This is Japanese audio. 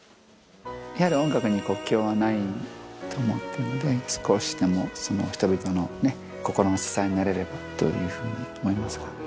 やはり、音楽に国境はないと思ってるので、少しでもその人々の心の支えになれればというふうに思いますが。